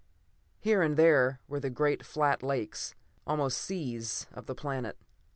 Here and there were the great flat lakes, almost seas, of the planet.